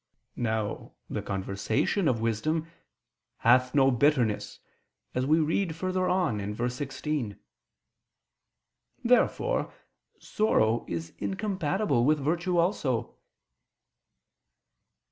Now the "conversation" of wisdom "hath no bitterness," as we read further on (verse 16). Therefore sorrow is incompatible with virtue also.